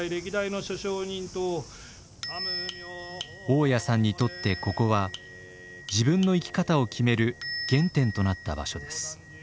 雄谷さんにとってここは自分の生き方を決める原点となった場所です。